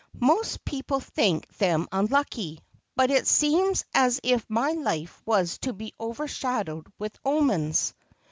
'Most people think them unlucky ; but it seems as if my life was to be overshadowed with omens.'